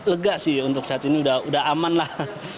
lega sih untuk saat ini udah aman lah